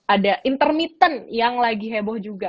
ada intermittent yang lagi heboh juga